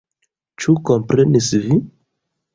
Ĉu komprenis vi?